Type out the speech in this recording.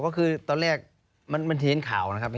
ก็คือตอนแรกมันจะเห็นข่าวนะครับ